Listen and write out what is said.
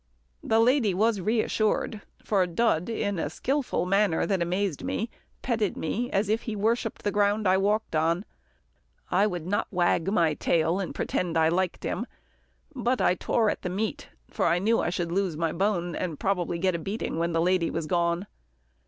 The lady was reassured, for Dud in a skilful manner that amazed me, petted me as if he worshipped the ground I walked on. I would not wag my tail, and pretend I liked him, but I tore at the meat, for I knew I should lose my bone, and probably get a beating when the lady was gone.